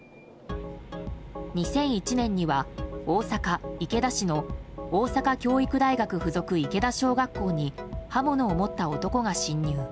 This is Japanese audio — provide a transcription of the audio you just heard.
２００１年には大阪・池田市の大阪教育大学附属池田小学校に刃物を持った男が侵入。